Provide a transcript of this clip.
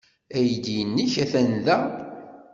Aydi-nnek atan da.